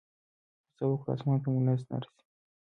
خو څه وكړو اسمان ته مو لاس نه رسي.